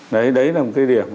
đấy đấy là một cái điểm